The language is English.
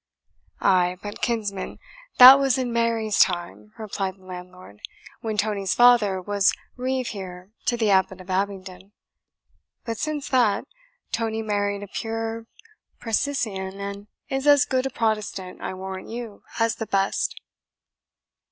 "Ay, but, kinsman, that was in Mary's time," replied the landlord, "when Tony's father was reeve here to the Abbot of Abingdon. But since that, Tony married a pure precisian, and is as good a Protestant, I warrant you, as the best."